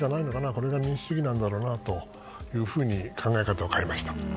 それが民主主義なのかなと考え方を変えました。